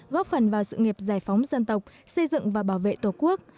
góp phần vào sự nghiệp giải phóng dân tộc xây dựng và bảo vệ tổ quốc